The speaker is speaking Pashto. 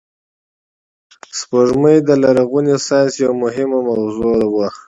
سپوږمۍ د لرغوني ساینس یوه مهمه موضوع وه